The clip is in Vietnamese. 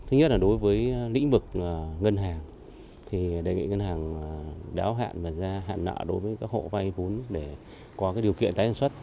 thứ nhất là đối với lĩnh vực ngân hàng thì đề nghị ngân hàng đáo hạn và gia hạn nợ đối với các hộ vay vốn để có điều kiện tái sản xuất